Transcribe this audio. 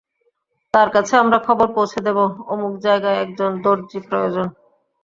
তাঁর কাছে আমরা খবর পৌঁছে দেব, অমুক জায়গায় একজন দরজি প্রয়োজন।